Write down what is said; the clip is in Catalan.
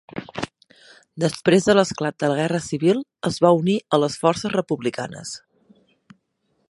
Després de l'esclat de la Guerra civil es va unir a les forces republicanes.